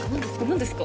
何ですか？